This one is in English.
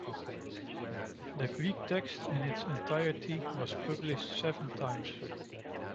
The Greek text in its entirety was published seven times.